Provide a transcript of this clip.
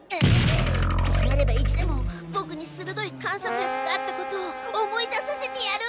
こうなれば意地でもボクに鋭い観察力があったことを思い出させてやる！